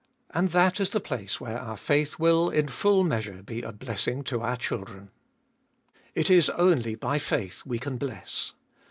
And that is the place where our faith will in full measure be a blessing to our children. It is only by faith we can bless.